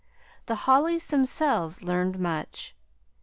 The Hollys themselves learned much.